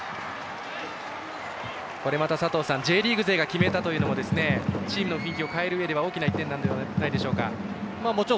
Ｊリーグ勢が決めたというのもチームの雰囲気を変えるのには大きな１点ではないでしょうか。